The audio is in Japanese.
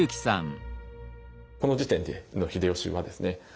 この時点での秀吉はですね